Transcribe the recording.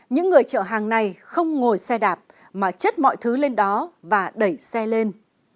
những người chở hàng này không ngồi xe đạp mà chất mọi thứ lên đó và đẩy xe lên